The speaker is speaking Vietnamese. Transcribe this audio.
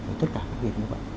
và tất cả các việc như vậy